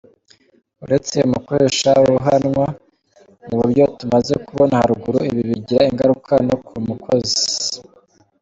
Uretse umukoresha uhanwa mu buryo tumaze kubona haruguru, ibi bigira ingaruka no ku mukozi.